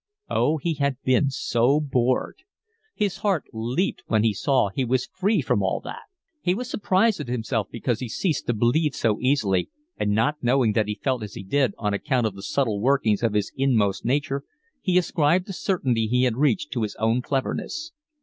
Oh, he had been so bored! His heart leaped when he saw he was free from all that. He was surprised at himself because he ceased to believe so easily, and, not knowing that he felt as he did on account of the subtle workings of his inmost nature, he ascribed the certainty he had reached to his own cleverness.